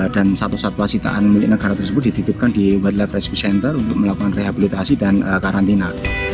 dan satu satu sitaan milik negara tersebut dititipkan di world life rescue center untuk melakukan rehabilitasi dan karantina